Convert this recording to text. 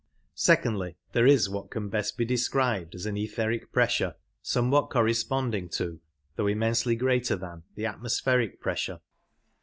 Secondly, there is what can best be described as p^^s^^ an etheric pressure, somewhat corresponding to, 90 though immensely greater than, the atmospheric pressure.